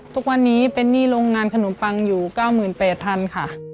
ทุกวันนี้เป็นหนี้โรงงานขนมปังอยู่๙๘๐๐๐ค่ะ